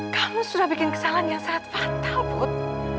kamu sudah bikin kesalahan yang sangat fatal putri